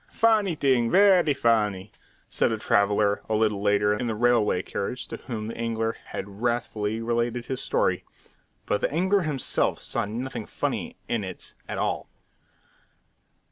"Funny thing, very funny!" said a traveller a little later in the railway carriage, to whom the angler had wrathfully related his story. But the angler himself saw nothing funny in it at all.